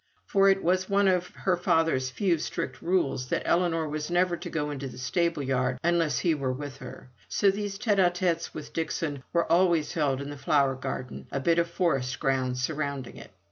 For it was one of her father's few strict rules that Ellinor was never to go into the stable yard unless he were with her; so these tete a tetes with Dixon were always held in the flower garden, or bit of forest ground surrounding it.